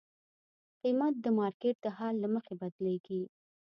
قیمت د مارکیټ د حالت له مخې بدلېږي.